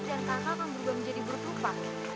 dan kakak akan berubah menjadi buruk rupa